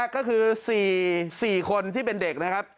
ก็คือ๔คนที่เป็นเด็กนะครับ